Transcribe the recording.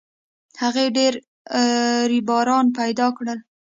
هغې ډېر رویباران پیدا کړل